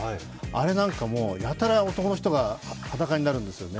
あれなんかも、やたら男の人が裸になるんですよね。